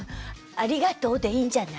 「ありがとう」でいいんじゃない？